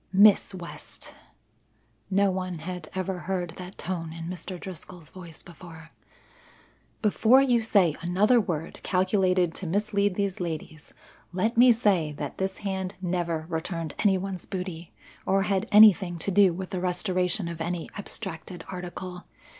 "Miss West," no one had ever heard that tone in Mr. Driscoll's voice before, "before you say another word calculated to mislead these ladies, let me say that this hand never returned any one's booty or had anything to do with the restoration of any abstracted article.